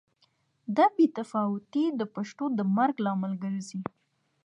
دا بې تفاوتي د پښتو د مرګ لامل ګرځي.